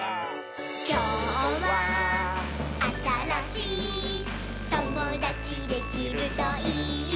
「きょうはあたらしいともだちできるといいね」